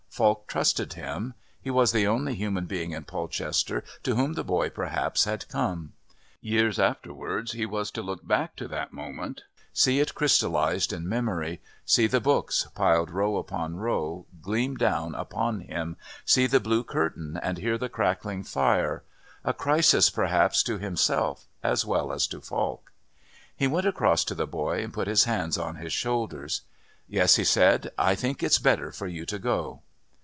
Falk trusted him. He was the only human being in Polchester to whom the boy perhaps had come. Years afterwards he was to look back to that moment, see it crystallised in memory, see the books, piled row upon row, gleam down upon him, see the blue curtain and hear the crackling fire...a crisis perhaps to himself as well as to Falk. He went across to the boy and put his hands on his shoulders. "Yes," he said, "I think it's better for you to go."